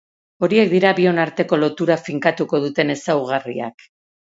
Horiek dira bion arteko lotura finkatuko duten ezaugarriak.